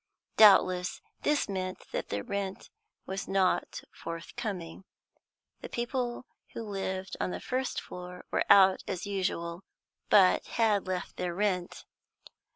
Doubtless this meant that the rent was not forthcoming. The people who lived on the first floor were out as usual, but had left their rent.